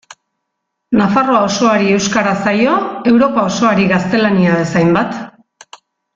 Nafarroa osoari euskara zaio Europa osoari gaztelania bezainbat.